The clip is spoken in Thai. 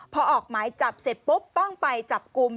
พอออกหมายจับเสร็จปุ๊บต้องไปจับกลุ่ม